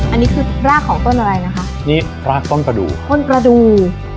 อันนี้คือรากของต้นอะไรนะคะนี่รากต้นกระดูกต้นกระดูก